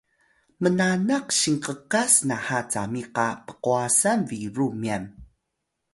mnanak sinqqas naha cami qa pqwasan biru myan